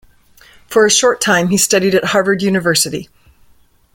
For a short time, he studied at Harvard University.